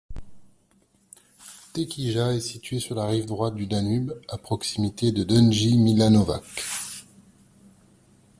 Tekija est située sur la rive droite du Danube, à proximité de Donji Milanovac.